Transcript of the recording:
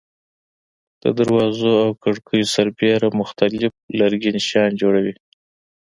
د دروازو او کړکیو سربېره مختلف لرګین شیان جوړوي.